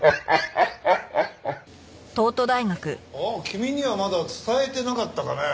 君にはまだ伝えてなかったかね？